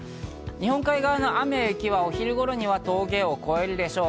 日本海側の雨や雪はお昼頃には峠を越えるでしょう。